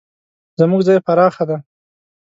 زموږ ځای پراخه ده